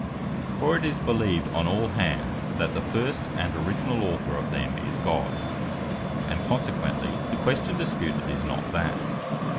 For it is beleeved on all hands, that the first and originall Author of them is God; and consequently the question disputed, is not that.